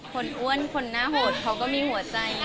คนอ้วนคนหน้าหดเขาก็มีหัวใจเนอะ